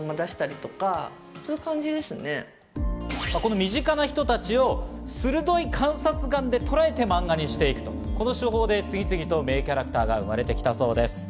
身近な人たちを鋭い観察眼でとらえて漫画にしていく、その手法で次々と名キャラクターが生まれてきたそうです。